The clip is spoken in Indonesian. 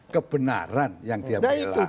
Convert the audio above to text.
kebenaran yang dia milah